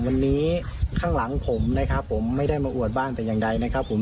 วันนี้ข้างหลังผมนะครับผมไม่ได้มาอวดบ้านแต่อย่างใดนะครับผม